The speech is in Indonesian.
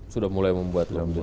sudah mulai membuat mobil listrik